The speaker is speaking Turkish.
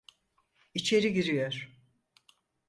İçeri giriyor.